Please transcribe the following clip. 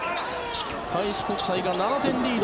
開志国際が７点リード。